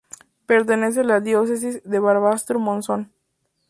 Pertenece a la diócesis de Barbastro-Monzón.